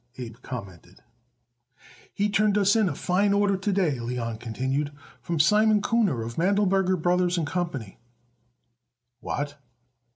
Abe commented. "He turned us in a fine order to day," Leon continued, "from Simon Kuhner, of Mandleberger Brothers & Co." "What?"